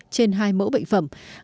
trên hai mẫu bệnh phẩm